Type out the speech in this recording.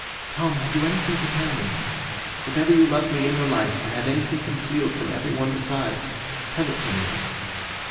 'Tom, have you anything to tell me? If ever you loved me in your life, and have anything concealed from every one besides, tell it to me.